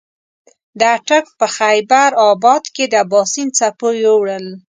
د اټک په خېبر اباد کې د اباسین څپو یوړل.